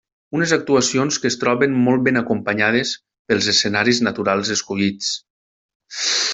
Unes actuacions que es troben molt ben acompanyades pels escenaris naturals escollits.